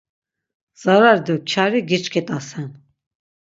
Zarari do kyari giçkit̆asen.